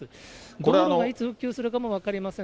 道路もいつ復旧するかも分かりません。